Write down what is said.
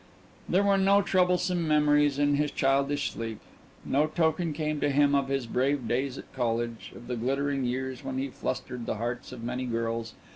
There were no troublesome memories in his childish sleep; no token came to him of his brave days at college, of the glittering years when he flustered the hearts of many girls.